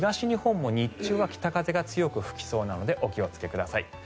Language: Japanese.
日本も日中は北風が強く吹きそうなのでお気をつけください。